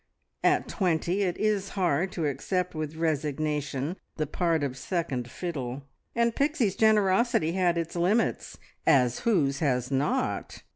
At twenty it is hard to accept with resignation the part of second fiddle, and Pixie's generosity had its limits as whose has not?